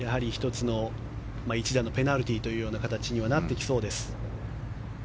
１打のペナルティーという形にはなってきそうです。